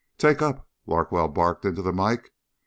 "Take up," Larkwell barked into the mike.